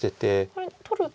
これ取ると。